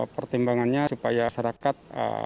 pertimbangannya supaya masyarakat